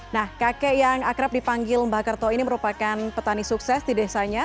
nah kakek yang akrab dipanggil mbak kerto ini merupakan petani sukses di desanya